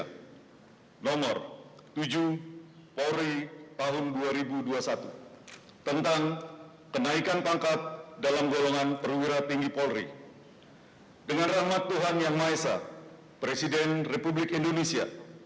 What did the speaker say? kepada komisaris jenderal polisi dr andos listio sigit pradu msi sebagai kepala kepolisian negara republik indonesia